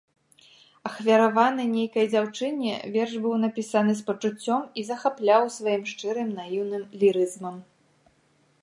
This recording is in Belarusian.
Ахвяраваны нейкай дзяўчыне, верш быў напісаны з пачуццём і захапляў сваім шчырым наіўным лірызмам.